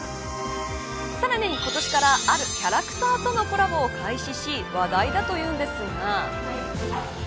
さらに今年からあるキャラクターとのコラボを開始し話題だというんですが。